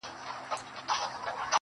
• هغه مړ له مــسته واره دى لوېـدلى.